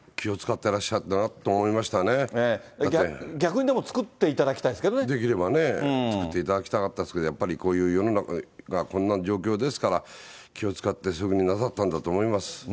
てらっしゃ逆にでも、作っていただきたできればね、作っていただきたかったですけど、やっぱりこういう、世の中がこんな状況ですから、気を遣って、そういうふうになさったんだと思います。